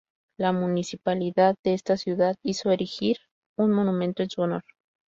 La municipalidad de esta ciudad hizo erigir un monumento en su honor.